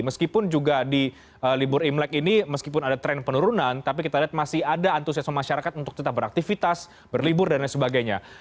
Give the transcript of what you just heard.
meskipun juga di libur imlek ini meskipun ada tren penurunan tapi kita lihat masih ada antusiasme masyarakat untuk tetap beraktivitas berlibur dan lain sebagainya